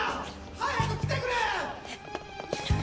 早く来てくれ！